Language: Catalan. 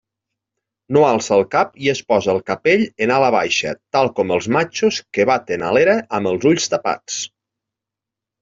No alça el cap i es posa el capell en ala baixa tal com els matxos que baten a l'era amb els ulls tapats.